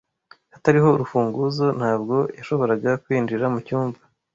Hatariho urufunguzo, ntabwo yashoboraga kwinjira mucyumba.